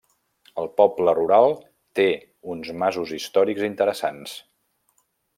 El poble rural té uns masos històrics interessants.